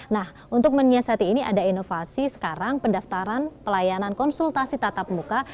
nah untuk menyiasati ini ada inovasi sekarang pendaftaran pelayanan konsultasi tatap muka